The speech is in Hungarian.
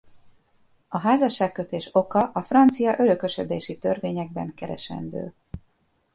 A házasságkötés oka a francia örökösödési törvényekben keresendő.